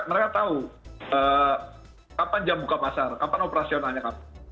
mereka tahu kapan jam buka pasar kapan operasionalnya kapan